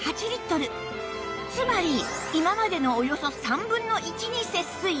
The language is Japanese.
つまり今までのおよそ３分の１に節水！